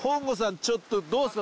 ちょっとどうですか？